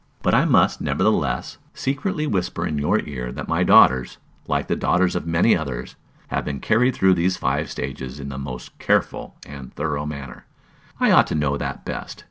But I must, nevertheless, secretly whisper in your ear that "my daughters, like the daughters of many others, have been carried through these five stages in the most careful and thorough manner." I ought to know that best.